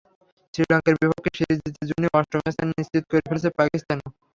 শ্রীলঙ্কার বিপক্ষে সিরিজ জিতে জুনে অষ্টম স্থান নিশ্চিত করে ফেলেছে পাকিস্তানও।